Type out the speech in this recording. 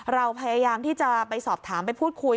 เราพยายามที่จะไปสอบถามไปพูดคุย